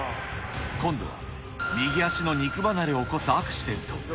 今度は、右足の肉離れを起こすアクシデント。